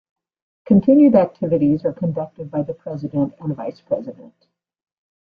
Continued activities are conducted by the President and Vice-President.